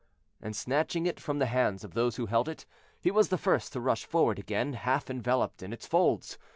And snatching it from the hands of those who held it, he was the first to rush forward again, half enveloped in its folds.